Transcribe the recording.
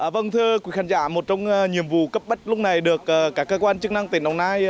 vâng thưa quý khán giả một trong nhiệm vụ cấp bách lúc này được các cơ quan chức năng tỉnh đồng nai